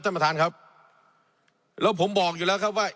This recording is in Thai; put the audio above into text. ท่านประธานครับแล้วผมบอกอยู่แล้วครับว่า